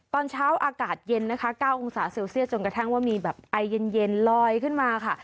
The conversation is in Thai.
ตอนเช้าอากาศเย็นนะคะ๙องศาเซลเซียสจนกระทั่งว่ามีแบบไอเย็นลอยขึ้นมาค่ะ